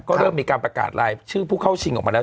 ก็เริ่มมีการประกาศรายชื่อผู้เข้าชิงออกมาแล้ว